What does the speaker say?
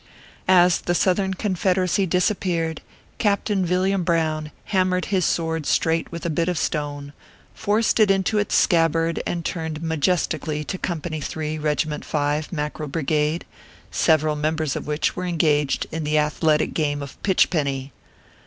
As the Southern Confederacy disappeared, Captain Villiam Brown hammered his sword straight with a ORPHEUS C. KERR PAPERS. 269 bit of stone, forced it into its scabbard, and turned majestically to Company 3, Eeginient 5, Mackerel Brigade, several members of which were engaged in the athletic game of pitch penny.